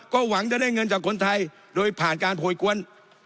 ก็หวังจะได้เงินจากคนไทยโดยผ่านการโพยกวน